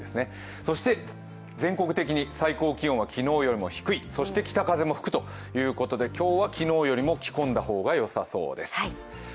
そして全国的に最高気温は昨日より低い、そして北風も吹くということで今日は昨日よりも着込んだ方がよさそうです。